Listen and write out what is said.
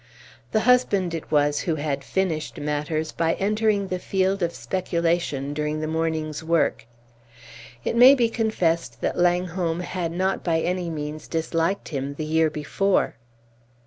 The husband it was who had finished matters by entering the field of speculation during the morning's work. It may be confessed that Langholm had not by any means disliked him the year before.